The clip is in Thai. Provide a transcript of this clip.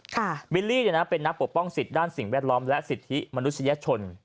บิลลี่เนี่ยนะเป็นนักปกป้องสิทธิ์ด้านสิ่งแวดล้อมและสิทธิมนุษยชน